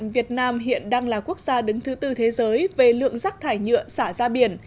việt nam hiện đang là quốc gia đứng thứ tư thế giới về lượng rác thải nhựa xả ra biển